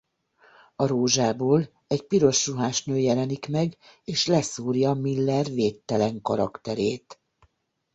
A rózsából egy piros ruhás nő jelenik meg és leszúrja Miller védtelen karakterét.